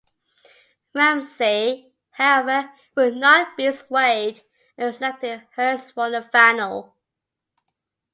Ramsey, however, would not be swayed and selected Hurst for the final.